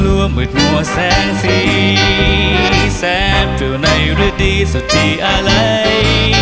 ตัวมืดหัวแสงสีแสบเตลอในฤดีสติอาไล